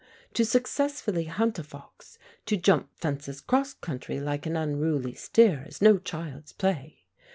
To successfully hunt a fox, to jump fences 'cross country like an unruly steer, is no child's play.